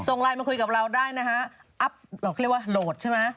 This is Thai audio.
ส่งไลน์มาคุยกับเราได้นะฮะอัพเราก็เรียกว่าโหลดใช่ไหม